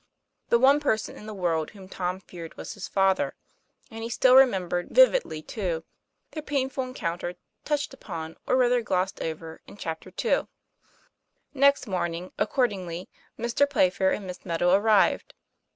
The one person in the world whom Tom feared was his father; and he still remembeied, viv idly too, their painful encounter, touched upon, or rather glossed over, in Chapter II. Next morning, accordingly, Mr. Playfair and Miss Meadow arrived.